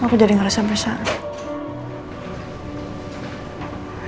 aku jadi ngerasa bersalah